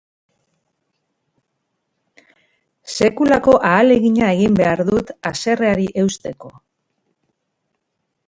Sekulako ahalegina egin behar dut haserreari eusteko.